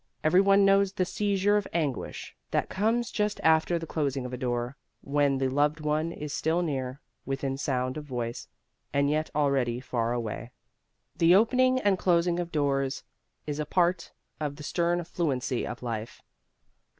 Every one knows the seizure of anguish that comes just after the closing of a door, when the loved one is still near, within sound of voice, and yet already far away. The opening and closing of doors is a part of the stern fluency of life.